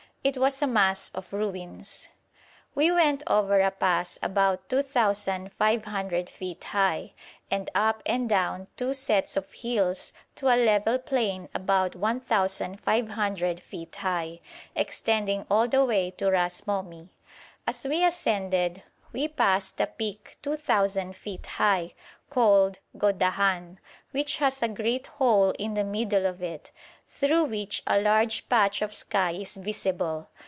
It was a mass of ruins. We went over a pass about 2,500 feet high, and up and down two sets of hills to a level plain about 1,500 feet high, extending all the way to Ras Momi. As we ascended we passed a peak 2,000 feet high, called Gòdahan, which has a great hole in the middle of it, through which a large patch of sky is visible.